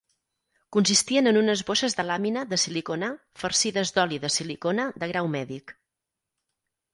Consistien en unes bosses de làmina de silicona farcides d'oli de silicona de grau mèdic.